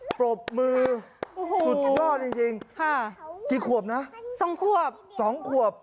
ปรบมือโอ้โหสุดยอดจริงจริงค่ะสองขวบสองขวบ